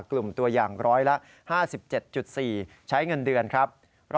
กลุ่มตัวยาง๑๕๗๔ใช้เงินเดือนครับ